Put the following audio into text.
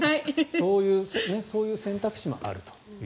そういう選択肢もあると。